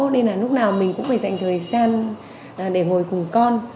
nên là lúc nào mình cũng phải dành thời gian để ngồi cùng con